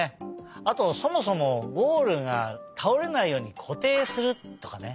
あとそもそもゴールがたおれないようにこていするとかね。